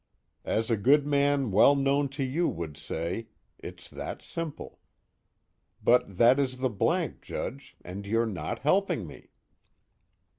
As a good man well known to you would say, it's that simple. But that is the Blank, Judge, and you're not helping me.